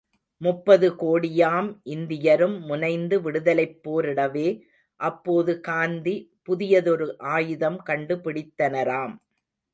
முப்பது கோடியாம் இந்தியரும் முனைந்து விடுதலைப் போரிடவே, அப்போது காந்தி புதியதொரு ஆயுதம் கண்டு பிடித்தனராம்.